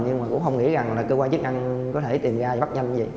nhưng mà cũng không nghĩ rằng là cơ quan chức năng có thể tìm ra và bắt nhanh như vậy